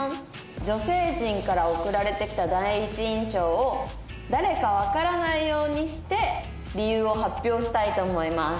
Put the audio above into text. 女性陣から送られてきた第一印象を誰かわからないようにして理由を発表したいと思います」